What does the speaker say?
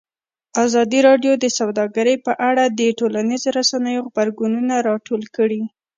ازادي راډیو د سوداګري په اړه د ټولنیزو رسنیو غبرګونونه راټول کړي.